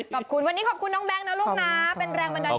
ขอบคุณวันนี้ขอบคุณน้องแบงค์นะลูกนะ